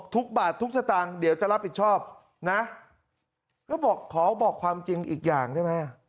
ทุกบาททุกสตางค์เดี๋ยวจะรับผิดชอบนะก็บอกขอบอกความจริงอีกอย่างได้ไหม